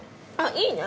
いいね！